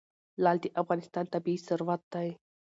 لعل د افغانستان طبعي ثروت دی.